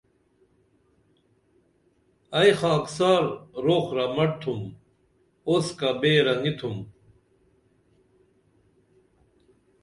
ائی خاکسار روخ رمٹ تُھم اوسکا بیرہ نی تُھم